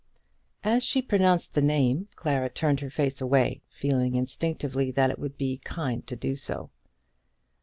As she pronounced the name, Clara turned her face away, feeling instinctively that it would be kind to do so.